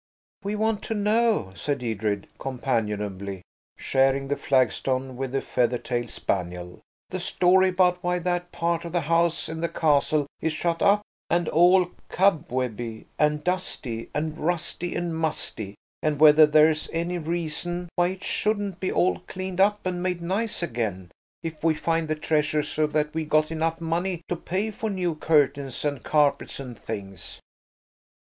"We want to know," said Edred, companionably sharing the flagstone with the feather tailed spaniel, "the story about why that part of the house in the castle is shut up and all cobwebby and dusty and rusty and musty, and whether there's any reason why it shouldn't be all cleaned up and made nice again, if we find the treasure so that we've got enough money to pay for new curtains and carpets and things?"